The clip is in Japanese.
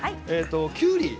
きゅうり。